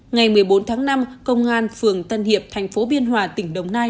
ngày một mươi bốn tháng năm công an phường tân hiệp thành phố biên hòa tỉnh đồng nai